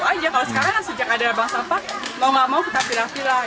kalau sekarang sejak ada bank sampah mau gak mau kita pira pira